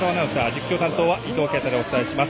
実況担当は伊藤慶太でお伝えします。